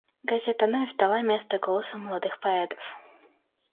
Газета «Новь» дала место голосу молодых поэтов.